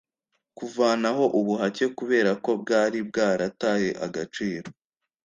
kuvanaho ubuhake kubera ko bwari bwarataye agaciro.